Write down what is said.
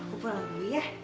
aku pulang dulu ya